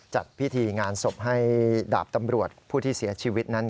จัดพิธีงานศพให้ดาบตำรวจผู้ที่เสียชีวิตนั้น